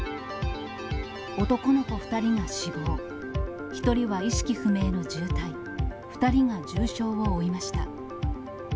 男の子２人が死亡、１人は意識不明の重体、２人が重傷を負いました。